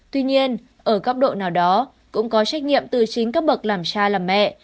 tuy nhiên ở góc độ nào đó cũng có trách nhiệm từ chính các bậc làm cha làm mẹ